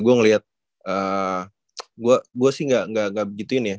gue ngelihat gue sih gak begitu ini ya